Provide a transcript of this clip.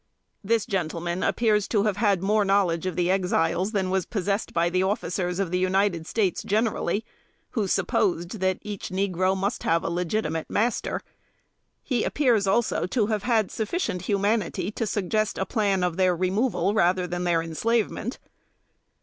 This gentleman appears to have had more knowledge of the Exiles, than was possessed by the officers of the United States, generally, who supposed that each negro must have a legitimate master. He appears, also, to have had sufficient humanity to suggest the plan of their removal, rather than their enslavement.